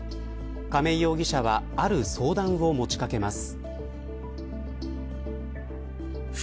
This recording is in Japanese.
亀井容疑者はある相談を持ちかけます。